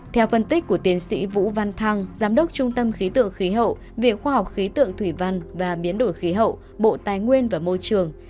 theo phân tích của tiến sĩ vũ văn thăng giám đốc trung tâm khí tượng khí hậu viện khoa học khí tượng thủy văn và biến đổi khí hậu bộ tài nguyên và môi trường